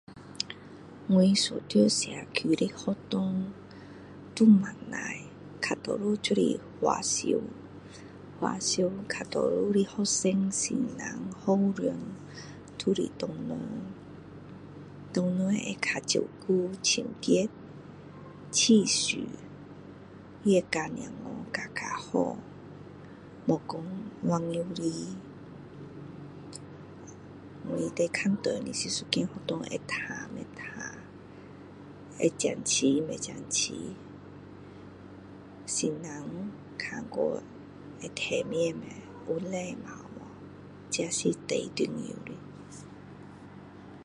我所在社區的學校都不錯比較多就是華小華小比較多的學生先生校長都是華人華人會教照顧清潔也會教比較好沒有說亂來我最看中的是一間學校會乾淨不乾淨會整齊不整齊先生看過去會體面嗎有禮貌嗎這是最重要的